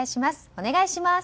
お願いします。